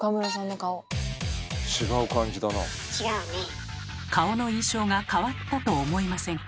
顔の印象が変わったと思いませんか？